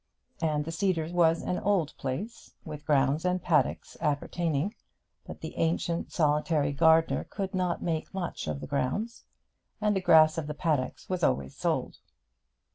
And the Cedars was an old place, with grounds and paddocks appertaining; but the ancient solitary gardener could not make much of the grounds, and the grass of the paddocks was always sold.